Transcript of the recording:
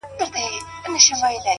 لكه سپوږمۍ چي ترنده ونيسي،